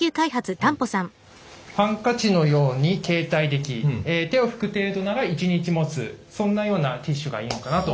ハンカチのように携帯でき手を拭く程度なら１日もつそんなようなティッシュがいいのかなと。